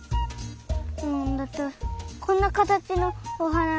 んだってこんなかたちのおはな